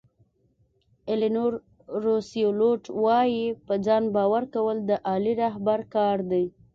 الینور روسیولوټ وایي په ځان باور کول د عالي رهبر کار دی.